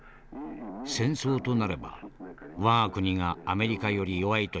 戦争となれば我が国がアメリカより弱いと知っていたのだ。